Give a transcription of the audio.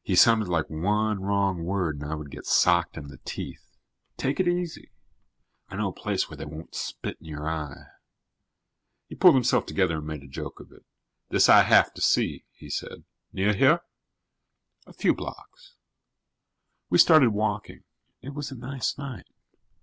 He sounded like one wrong word and I would get socked in the teeth. "Take it easy. I know a place where they won't spit in your eye." He pulled himself together and made a joke of it. "This I have to see," he said. "Near here?" "A few blocks." We started walking. It was a nice night.